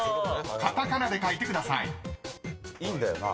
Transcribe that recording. カタカナで書いてください］いいんだよな？